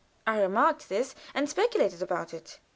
I remarked this, and speculated about it.